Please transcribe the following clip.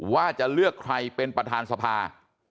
ว่าจะเลือกใครเป็นประธานสภา